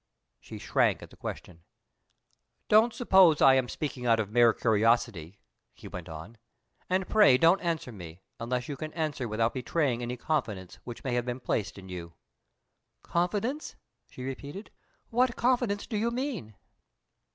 She shrank at the question. "Don't suppose I am speaking out of mere curiosity," he went on. "And pray don't answer me unless you can answer without betraying any confidence which may have been placed in you." "Confidence!" she repeated. "What confidence do you mean?"